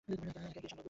একাই গিয়ে সামলাবো।